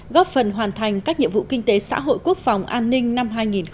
góp phần hoàn thành các nhiệm vụ kinh tế xã hội quốc phòng an ninh năm hai nghìn hai mươi